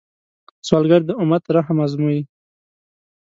سوالګر د امت رحم ازمويي